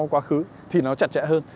quá khứ thì nó chặt chẽ hơn